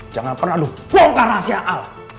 jangan pernah lo buang ke rahasia allah